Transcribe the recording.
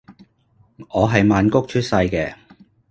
我係曼谷出世嘅